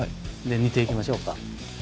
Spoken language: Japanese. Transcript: で煮て行きましょうか。